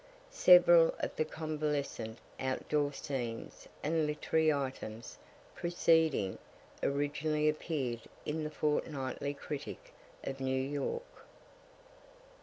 Several of the convalescent out door scenes and literary items, preceding, originally appear'd in the fortnightly "Critic," of New York.